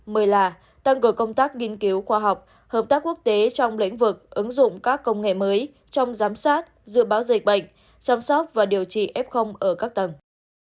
một mươi là tăng cường công tác nghiên cứu khoa học hợp tác quốc tế trong lĩnh vực ứng dụng các công nghệ mới trong giám sát dự báo dịch bệnh chăm sóc và điều trị f ở các tầng